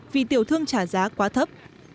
vì tiểu thương trả giá quá thấp